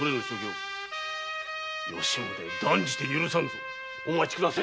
吉宗断じて許さんぞお待ちください